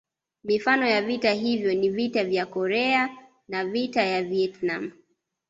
Mifano ya vita hivyo ni Vita ya Korea na Vita ya Vietnam